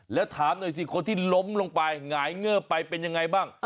แล้วถามหน่อยสิคนที่ล้มลงไปหงายเงิบไปเป็นยังไงบ้าง